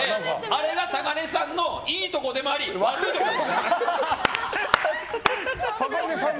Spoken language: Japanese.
あれが、さがねさんのいいところでもあり悪いところでもある。